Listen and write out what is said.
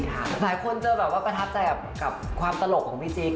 หลายคนเจอแบบว่าประทับใจกับความตลกของพี่จิ๊ก